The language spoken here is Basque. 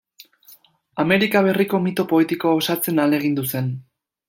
Amerika berriko mito poetikoa osatzen ahalegindu zen.